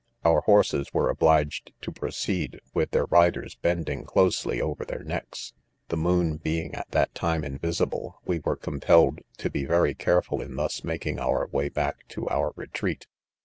Our horses were obliged to. proceed, with their riders bending closely oyer their; necks. The moon being at that time, invisible, we were compelled to be very careful in thus malting our way back to our retreat.